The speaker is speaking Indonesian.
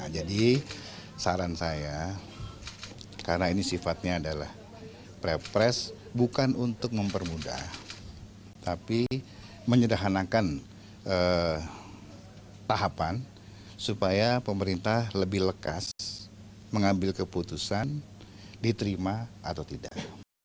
jadi saran saya karena ini sifatnya adalah prepress bukan untuk mempermudah tapi menyedahanakan tahapan supaya pemerintah lebih lekas mengambil keputusan diterima atau tidak